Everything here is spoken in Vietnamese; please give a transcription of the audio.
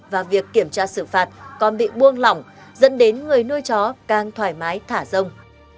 và việc kiểm tra xử phạt còn bị buông lỏng dẫn đến người nuôi chó càng thoải mái thả rông